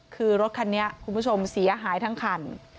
คือรถคันนี้คุณผู้ชมเสียหายทั้งคัน